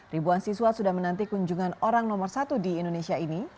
ribuan siswa sudah menanti kunjungan orang nomor satu di indonesia ini